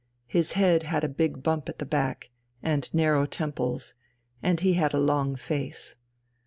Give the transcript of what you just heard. His head had a big bump at the back and narrow temples, and he had a long face.